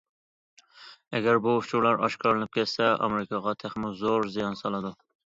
ئەگەر بۇ ئۇچۇرلار ئاشكارىلىنىپ كەتسە، ئامېرىكىغا« تېخىمۇ زور زىيان سالىدۇ».